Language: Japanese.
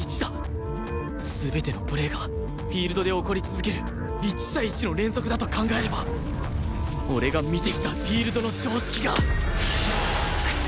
全てのプレーがフィールドで起こり続ける１対１の連続だと考えれば俺が見てきたフィールドの常識が覆る！